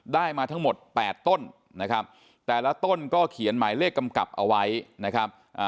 ได้มาทั้งหมดแปดต้นนะครับแต่ละต้นก็เขียนหมายเลขกำกับเอาไว้นะครับ